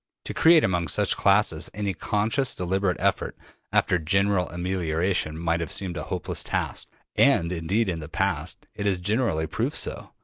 To create among such classes any conscious, deliberate effort after general amelioration might have seemed a hopeless task, and indeed in the past it has generally proved so.